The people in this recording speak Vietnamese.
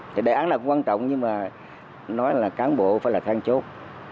thì đề án là quan trọng nhưng mà nói là cán bộ phải là thang chốt